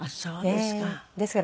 そうですか。